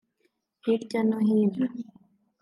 Hirya no hino